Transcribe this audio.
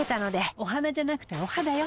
お花じゃなくてお肌よ。